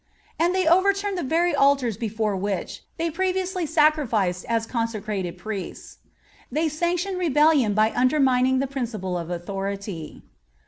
And they overturn the very altars before which they previously sacrificed as consecrated priests.(55) They sanctioned rebellion by undermining the principle of authority.